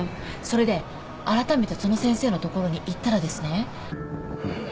それで改めてその先生のところに行ったらですね。